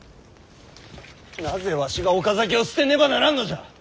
なぜわしが岡崎を捨てねばならんのじゃ！